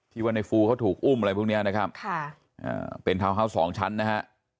ว่าในฟูเขาถูกอุ้มอะไรพวกนี้นะครับเป็นทาวน์ฮาวส์สองชั้นนะฮะ